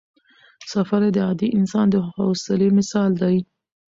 سفر یې د عادي انسان د حوصلې مثال دی.